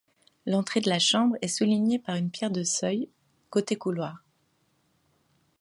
L'entrée de la chambre est soulignée par une pierre de seuil côté couloir.